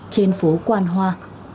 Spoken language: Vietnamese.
trên phố quan hoa